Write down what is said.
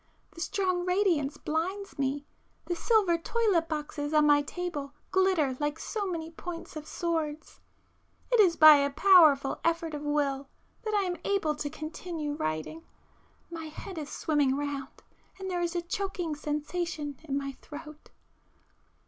The strong radiance blinds me:—the silver toilet boxes on my table glitter like so many points of swords. It is by a powerful effort of will that I am able to continue writing,—my head is swimming round,—and there is a choking sensation in my throat.